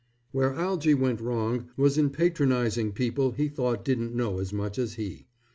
Where Algy went wrong, was in patronizing people he thought didn't know as much as he.